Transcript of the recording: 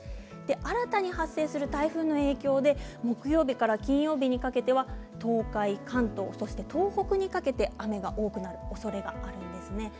新たに発生する台風の影響で木曜日から金曜日にかけては東海、関東そして東北にかけて雨が多くなるおそれがあるんですね。